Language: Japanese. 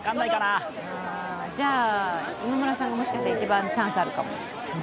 あじゃあ今村さんがもしかしたら一番チャンスがあるかも。